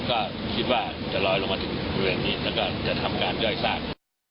ก็คิดว่าจะลอยลงมาถึงบริเวณนี้แล้วก็จะทำการย่อยซาก